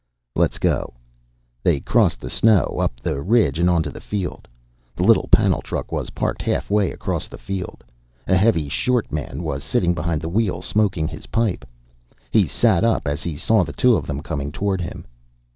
"Let's go." They crossed the snow, up the ridge and onto the field. The little panel truck was parked half way across the field. A heavy short man was sitting behind the wheel, smoking his pipe. He sat up as he saw the two of them coming toward him.